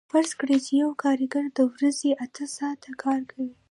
فرض کړئ چې یو کارګر د ورځې اته ساعته کار کوي